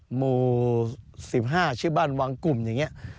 หมู่๑๕ชื่อบ้านวังกลุ่มอย่างนี้